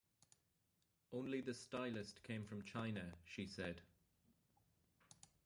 Only the stylist came from China, she said.